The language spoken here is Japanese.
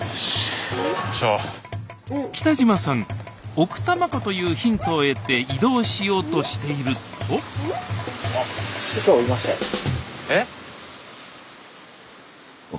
奥多摩湖というヒントを得て移動しようとしているとスタジオ